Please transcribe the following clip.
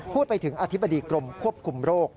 พูดไปถึงอธิบดีกรมควบคุมโรค